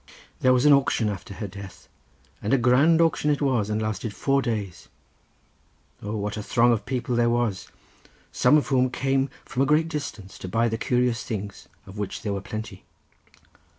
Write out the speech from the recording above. There was an auction after her death; and a grand auction it was and lasted four days. O, what a throng of people there was, some of whom came from a great distance, to buy the curious things, of which there were plenty."